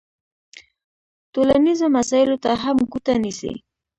ټولنیزو مسایلو ته هم ګوته نیسي.